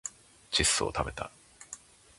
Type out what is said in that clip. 窒素をたべた